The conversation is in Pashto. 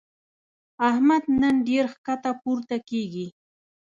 احمد نن ډېر ښکته پورته کېږي.